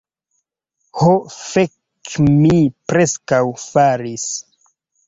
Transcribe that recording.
Ho fek' mi preskaŭ falis